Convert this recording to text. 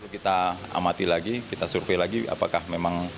kita amati lagi kita survei lagi apakah memang